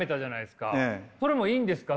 それもいいんですか？